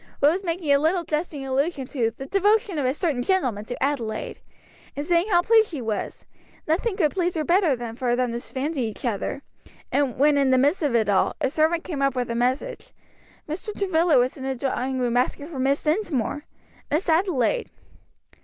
Rose making a little jesting allusion to "the devotion of a certain gentleman to Adelaide;" and saying how delighted she was; nothing could please her better than for them to fancy each other; when in the midst of it all, a servant came up with a message. "Mr. Travilla was in the drawing room asking for Miss Dinsmore, Miss Adelaide."